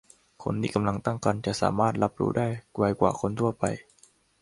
คนที่กำลังตั้งครรภ์จะสามารถรับรู้ได้ไวกว่าคนทั่วไป